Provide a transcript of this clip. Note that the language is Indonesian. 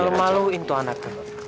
malu maluin tuh anaknya